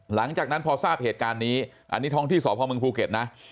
หลังจากนั้นพอทราบเหตุการณ์นี้อันนี้ท้องที่สพมภูเก็ตนะ